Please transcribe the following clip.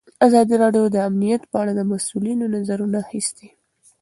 ازادي راډیو د امنیت په اړه د مسؤلینو نظرونه اخیستي.